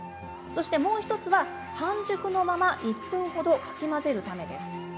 そして、もう１つは半熟のまま１分ほどかき混ぜるためです。